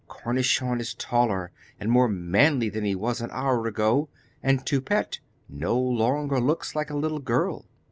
Cornichon is taller and more manly than he was an hour ago, and Toupette no longer looks like a little girl.